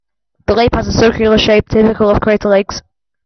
The lake has a circular shape typical of crater lakes.